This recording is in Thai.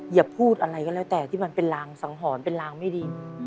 อย่าพูดอะไรก็แล้วแต่ที่มันเป็นรางสังหรณ์เป็นรางไม่ดี